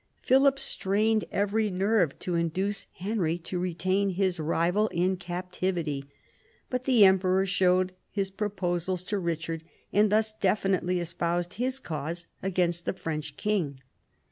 Philip strained every nerve to induce Henry to retain his rival in captivity, but the emperor showed his proposals to Richard, and thus definitely espoused his cause against the French king.